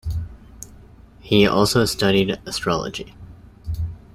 He also studied astrology.